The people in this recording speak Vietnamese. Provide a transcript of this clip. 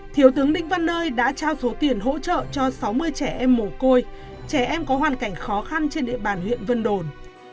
thiếu tướng đinh văn nơi đã trao số tiền hỗ trợ cho sáu mươi trẻ em mồ côi trẻ em có hoàn cảnh khó khăn trên địa bàn huyện vân đồn